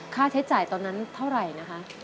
ค่าใช้จ่ายตอนนั้นเท่าไหร่นะคะ